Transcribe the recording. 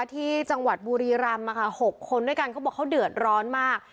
ที่จังหวัดบุรีรำ๖คนด้วยกันเขาบอกเขาเดือดร้อนมาก